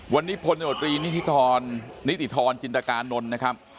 วันนี้พลธนโดรถรีนิติธรณ์จินตรการนท์นะครับ